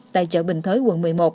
tại chợ bình thới quận một mươi một